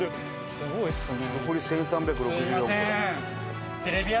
すごいですね。